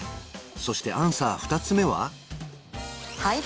そしてアンサー２つ目は？